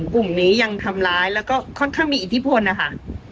กลุ่มนี้ยังทำร้ายแล้วก็ค่อนข้างมีอิทธิพลนะคะ